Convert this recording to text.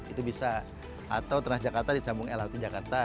itu bisa atau transjakarta disambung lrt jakarta